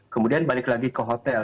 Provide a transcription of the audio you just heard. kemudian balik lagi ke hotel